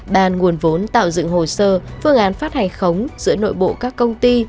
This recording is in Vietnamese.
bàn nguồn vốn tạo dựng hồ sơ phương án phát hành khống giữa nội bộ các công ty